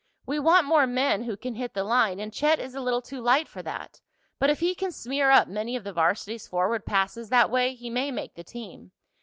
We want more men who can hit the line, and Chet is a little too light for that. But if he can smear up many of the varsity's forward passes that way he may make the team.